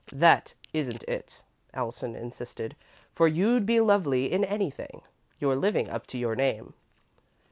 "That isn't it," Allison insisted, "for you'd be lovely in anything. You're living up to your name."